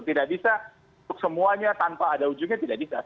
tidak bisa untuk semuanya tanpa ada ujungnya tidak bisa